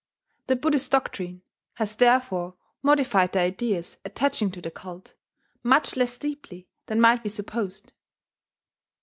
The Buddhist doctrine has therefore modified the ideas attaching to the cult much less deeply than might be supposed.